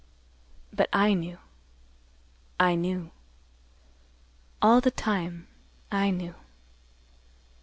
But I knew—I knew—all the time, I knew.